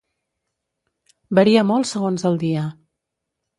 Varia molt segons el dia.